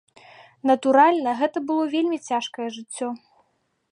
Натуральна, гэта было вельмі цяжкае жыццё.